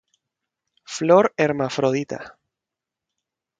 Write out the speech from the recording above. Flor hermafrodita.